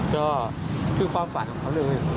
ก็คือความฝันของเขาเลย